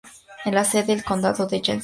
Es sede del condado de Yancey.